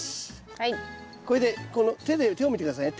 これで手で手を見て下さいね。